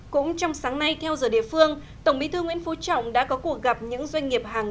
cũng trong sáng nay theo giờ địa phương tổng bí thư nguyễn phú trọng đã có cuộc gặp những doanh nghiệp hàng